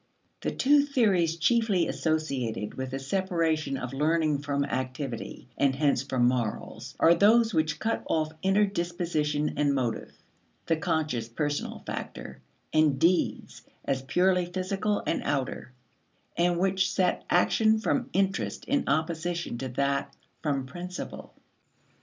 The two theories chiefly associated with the separation of learning from activity, and hence from morals, are those which cut off inner disposition and motive the conscious personal factor and deeds as purely physical and outer; and which set action from interest in opposition to that from principle.